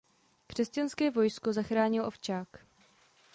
Křesťanské vojsko zachránil ovčák.